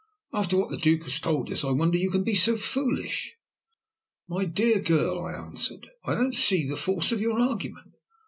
"After what the Duke has told us, I wonder that you can be so foolish." "My dear girl," I answered, "I don't see the force of your argument.